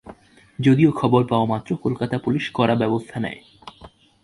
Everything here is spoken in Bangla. যদিও খবর পাওয়া মাত্র কলকাতা পুলিশ কড়া ব্যবস্থা নেয়।